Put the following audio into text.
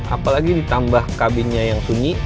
apalagi ditambah kabinnya yang sunyi